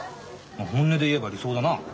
本音で言えば理想だな。